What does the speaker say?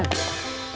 dah sana kerja